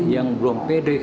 yang belum pede